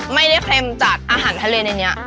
ไม่ได้เค็มจากอาหารทะเลในนี้